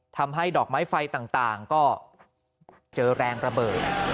ทำให้ดอกไม้ไฟต่างก็เจอแรงระเบิด